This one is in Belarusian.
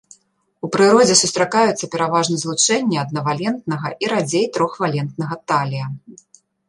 У прыродзе сустракаюцца пераважна злучэнні аднавалентнага і радзей трохвалентнага талія.